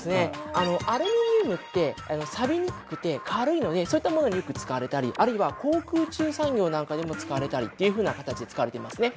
あのアルミニウムってさびにくくて軽いのでそういったものによく使われたりあるいは航空宇宙産業なんかでも使われたりっていうふうな形で使われてますね。